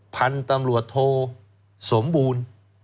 พันธุ์ตำรวจโทสมบูรณ์